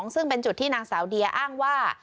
ซึ่งเป็นจุดที่นางสาวเดียอ้างว่า